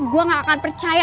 gue gak akan percaya